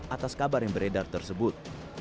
atas kabar yang beredar tersebut